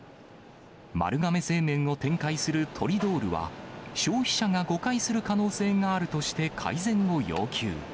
丸亀製麺を展開するトリドールは、消費者が誤解する可能性があるとして改善を要求。